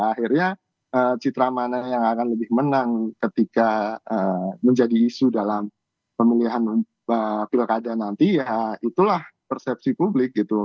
akhirnya citra mana yang akan lebih menang ketika menjadi isu dalam pemilihan pilkada nanti ya itulah persepsi publik gitu